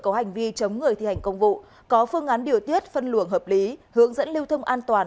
có hành vi chống người thi hành công vụ có phương án điều tiết phân luồng hợp lý hướng dẫn lưu thông an toàn